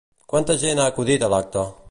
Quanta gent ha acudit a l'acte?